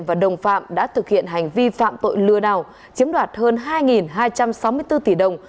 và đồng phạm đã thực hiện hành vi phạm tội lừa đảo chiếm đoạt hơn hai hai trăm sáu mươi bốn tỷ đồng